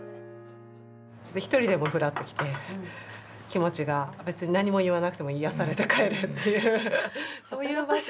ちょっと１人でもフラッと来て気持ちが別に何も言わなくても癒やされて帰るっていうそういう場所。